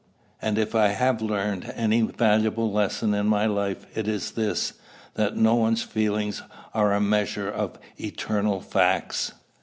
And if I have learned any valuable lesson in my life, it is this, that no one's feelings are a measure of eternal facts.